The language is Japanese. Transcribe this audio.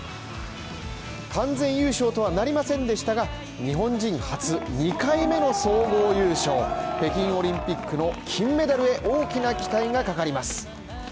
完全優勝とはなりませんでしたが、日本人初、２回目の総合優勝北京オリンピックの金メダルへ、大きな期待がかかります。